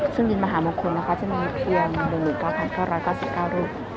ซึ่งดินมหาบุคคลนะคะจะมีเพียงหลุ่นหลุ่นเก้าพันเท่าร้อยกว่าสิบเก้ารูป